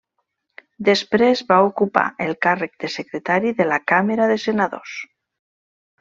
Després va ocupar el càrrec de Secretari de la Càmera de Senadors.